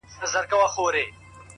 ته يې بد ايسې!!